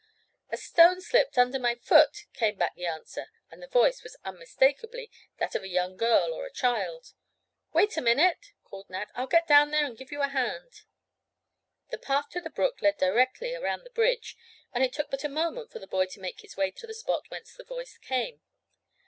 "A stone slipped under my foot," came back the answer, and the voice was unmistakably that of a young girl or a child. "Wait a minute," called Nat. "I'll get down there and give you a hand." The path to the brook led directly around the bridge, and it took but a moment for the boy to make his way to the spot whence the voice came.